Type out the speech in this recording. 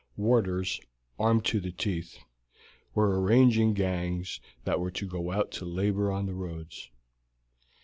Warders armed to the teeth were arranging gangs that were to go out to labor on the roads.